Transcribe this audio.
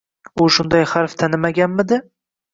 U shunday harf tanimaganmidi?